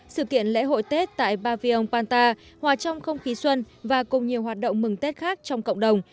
sự kiện lễ hội tết tại bavion ban ta hòa trong không khí xuân và cùng nhiều hoạt động mừng tết khác trong cộng đồng